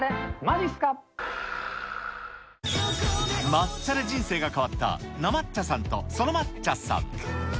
抹茶で人生が変わったなまっちゃさんとそのまっちゃさん。